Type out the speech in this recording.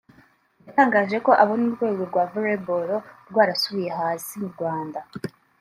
yatangaje ko abona urwego rwa Volleyball rwarasubiye hazi mu Rwanda